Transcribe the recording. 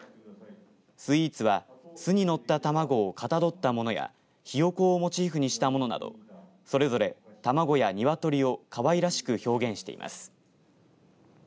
スイーツは巣に乗った卵をかたどったものやひよこをモチーフにしたものなどそれぞれ卵や鶏をかわいらしく表現しています。